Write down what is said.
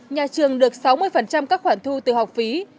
nhà trường được sáu mươi các khoản thu từ học phí